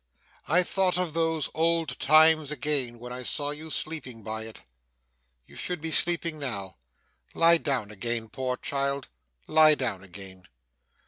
I thought of those old times again, when I saw you sleeping by it. You should be sleeping now. Lie down again, poor child, lie down again!